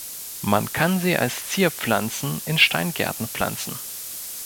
Man kann sie als Zierpflanzen in Steingärten pflanzen.